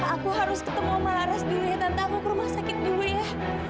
aku harus ketemu malares dulu ya tante aku ke rumah sakit dulu ya